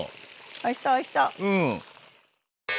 おいしそうおいしそう！